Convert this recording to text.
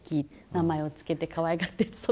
名前を付けてかわいがって育てました。